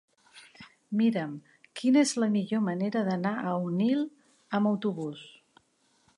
Mira'm quina és la millor manera d'anar a Onil amb autobús.